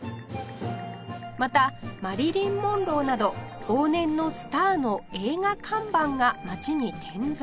またマリリン・モンローなど往年のスターの映画看板が街に点在